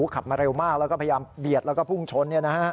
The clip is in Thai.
ขับมาเร็วมากแล้วก็พยายามเบียดแล้วก็พุ่งชน